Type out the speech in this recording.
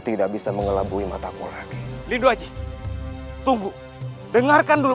tidak bisa mengelabui mataku lagi lido aja tunggu dengarkan dulu